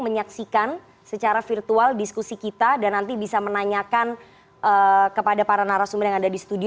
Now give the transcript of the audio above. menyaksikan secara virtual diskusi kita dan nanti bisa menanyakan kepada para narasumber yang ada di studio